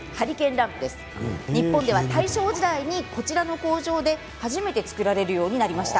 日本では大正時代にこちらの工場で初めて作られるようになりました。